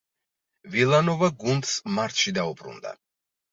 ვილანოვა გუნდს მარტში დაუბრუნდა.